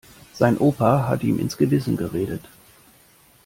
Sein Opa hat ihm ins Gewissen geredet.